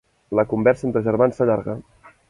La conversa entre germans s'allarga.